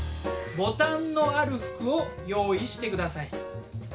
ボタンのある服を用意して下さい。